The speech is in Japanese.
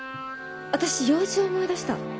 私用事思い出した。